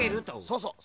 そうそう。